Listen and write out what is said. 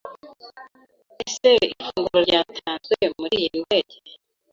Ese ifunguro ryatanzwe muriyi ndege?